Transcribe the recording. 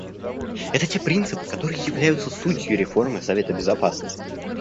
Это те принципы, которые являются сутью реформы Совета Безопасности.